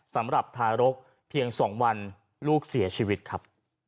สำหรับทารกเพียง๒วันลูกเสียชีวิตครับ